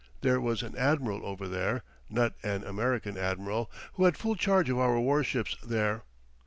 There was an admiral over there not an American admiral who had full charge of our war ships there.